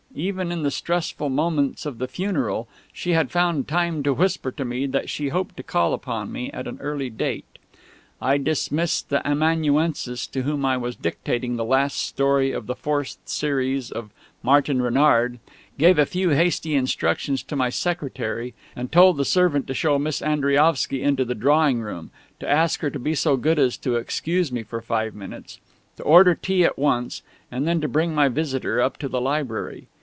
Even in the stressful moments of the funeral she had found time to whisper to me that she hoped to call upon me at an early date. I dismissed the amanuensis to whom I was dictating the last story of the fourth series of Martin Renard, gave a few hasty instructions to my secretary, and told the servant to show Miss Andriaovsky into the drawing room, to ask her to be so good as to excuse me for five minutes, to order tea at once, and then to bring my visitor up to the library.